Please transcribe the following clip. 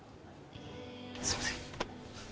すいません